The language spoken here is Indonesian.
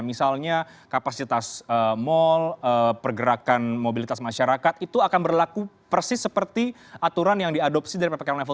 misalnya kapasitas mal pergerakan mobilitas masyarakat itu akan berlaku persis seperti aturan yang diadopsi dari ppkm level tiga